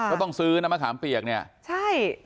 ก็ต้องซื้อน้ำมะขามเปียกเนี่ย